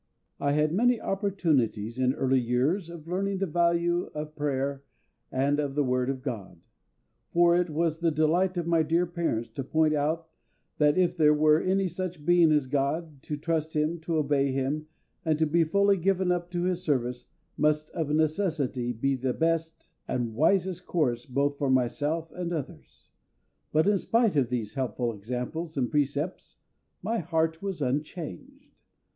I had many opportunities in early years of learning the value of prayer and of the Word of GOD; for it was the delight of my dear parents to point out that if there were any such Being as GOD, to trust Him, to obey Him, and to be fully given up to His service, must of necessity be the best and wisest course both for myself and others. But in spite of these helpful examples and precepts my heart was unchanged.